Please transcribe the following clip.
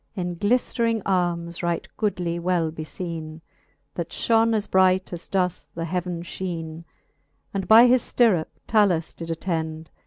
In gliflering armes right goodly well befeene, That fhone as bright, as doth the heaven, fheene ; And by his ftirrup 7alus did attend.